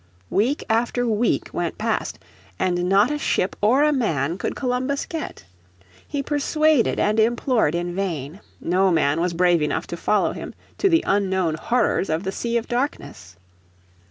Week after week went past and not a ship or a man could Columbus get. He persuaded and implored in vain: no man was brave enough to follow him to the unknown horrors of the Sea of Darkness.